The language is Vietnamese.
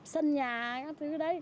sân nhà các thứ đấy